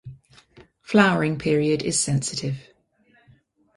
Flowering period is sensitive.